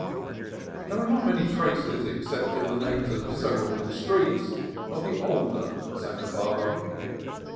There are not many traces, except in the names of several of the streets, of the older Santa Barbara.